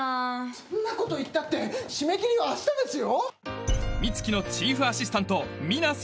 そんなこと言ったって締め切りは明日ですよ？